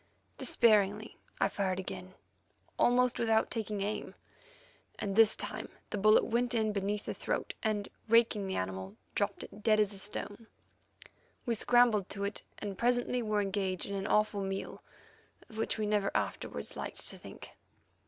Despairingly I fired again, almost without taking aim, and this time the bullet went in beneath the throat, and, raking the animal, dropped it dead as a stone. We scrambled to it, and presently were engaged in an awful meal of which we never afterwards liked to think.